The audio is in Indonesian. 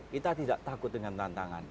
kita tidak takut dengan tantangan